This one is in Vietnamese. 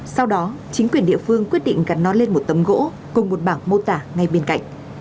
sau đó chính quyền địa phương quyết định gặt nó lên một tấm gỗ cùng một bảng mô tả ngay bên cạnh